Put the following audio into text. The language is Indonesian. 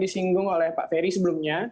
disinggung oleh pak ferry sebelumnya